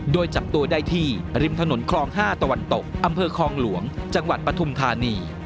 โดยจับตัวได้ที่ริมถนนคลอง๕ตะวันตกอำเภอคลองหลวงจังหวัดปฐุมธานี